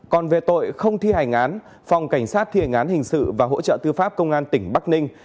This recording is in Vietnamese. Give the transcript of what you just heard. còn về tội không thi hành án phòng cảnh sát thiền án hình sự và hỗ trợ tư pháp công an tỉnh bắc ninh